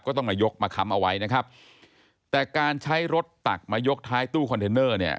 ต้องมายกมาค้ำเอาไว้นะครับแต่การใช้รถตักมายกท้ายตู้คอนเทนเนอร์เนี่ย